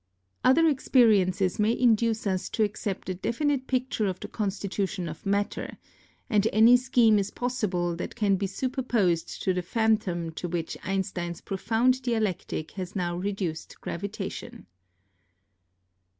Other experiences may induce us to accept a definite picture of the con stitution of matter, and any scheme is possible that can be superposed to the f)hantom to which Einstein's pro found dialectic has now reduced gravitation.